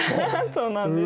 そうなんです。